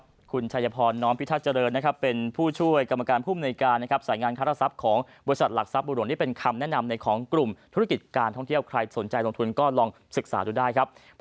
คุณชัยพรน้อมพิทักษ์เจริญนะครับเป็นผู้ช่วยกรรมการผู้มนุยการนะครับสายงานคารทรัพย์ของบริษัทหลักทรัพย์บุหลวงนี่เป็นคำแนะนำในของกลุ่มธุรกิจการท่องเที่ยวใครสนใจลงทุนก็ลองศึกษาดูได้ครับ